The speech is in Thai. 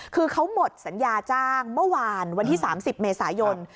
คือเขาหมดสัญญาจ้างเมื่อวานวันที่๓๐เมษายน